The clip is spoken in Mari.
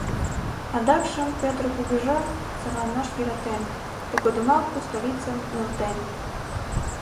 Адакшым Пӧтыр кугыжа сарланаш йӧратен, тыгодымак у столицым нӧлтен.